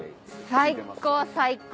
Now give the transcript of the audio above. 最高最高。